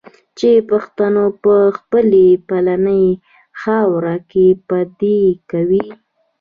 چي پښتون په خپلي پلرنۍ خاوره کي پردی کوي